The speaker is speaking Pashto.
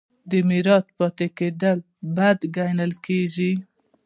د میرات پاتې کیدل بد ګڼل کیږي.